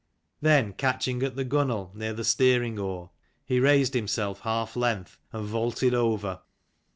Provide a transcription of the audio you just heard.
Then catching at the gunwale near the steering oar, he raised himself half length and vaulted over.